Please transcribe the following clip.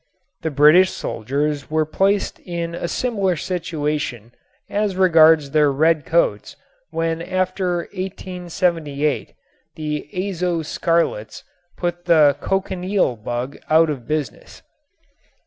The British soldiers were placed in a similar situation as regards their red coats when after 1878 the azo scarlets put the cochineal bug out of business.